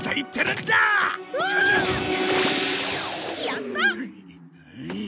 やった！